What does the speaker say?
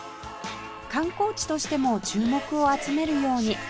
観光地としても注目を集めるように